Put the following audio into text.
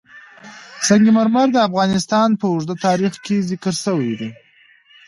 سنگ مرمر د افغانستان په اوږده تاریخ کې ذکر شوی دی.